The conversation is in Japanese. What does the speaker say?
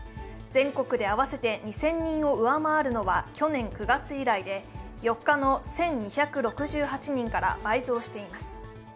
全国で合わせて２０００人を上回るのは去年９月以来で、４日の１２６８人から倍増しています。